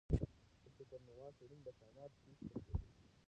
د سوپرنووا څېړنې د کائنات پېښې تشریح کوي.